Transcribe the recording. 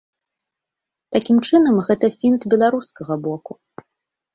Такім чынам, гэта фінт беларускага боку.